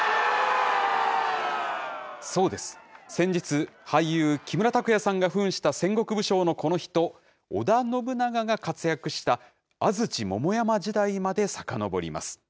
そうです、先日、俳優、木村拓哉さんがふんした戦国武将のこの人、織田信長が活躍した安土桃山時代までさかのぼります。